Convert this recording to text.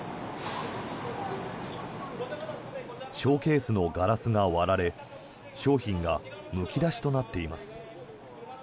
ショーケースのガラスが割られ商品がむき出しとなっています。